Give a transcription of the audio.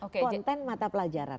konten mata pelajaran